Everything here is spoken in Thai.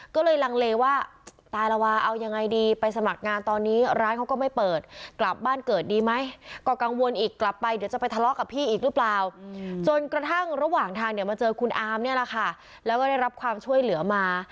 ซึ่งระหว่างทางเนี่ยมาเจอคุณอาร์มเนี่ยแหละค่ะแล้วก็ได้รับความช่วยเหลือมา